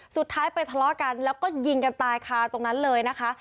สุดท้ายไปทะเลาะกันแล้วก็ยิงกันตายค่ะตรงนั้นเลยนะคะ